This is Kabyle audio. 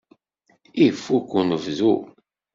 Ifukk unebdu.